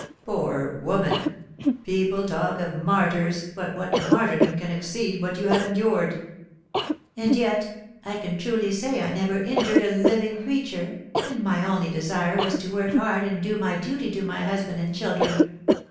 "Poor woman! People talk of martyrs, but what martyrdom can exceed what you have endured?" "And yet I can truly say I never injured a living creature, and my only desire was to work hard and do my duty to my husband and children.